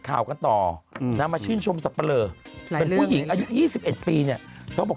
ข่าวกันต่อน้ำมาชื่นชมสับปะเลอร์หลายเรื่องผู้หญิงอายุยี่สิบเอ็ดปีเนี่ยเขาบอก